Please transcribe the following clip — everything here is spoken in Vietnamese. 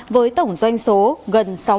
với tổng doanh số gần sáu mươi bốn tỷ đồng